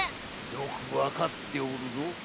よくわかっておるぞ。